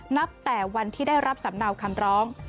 นับแต่วันที่ได้รับสำเนาคำร้อง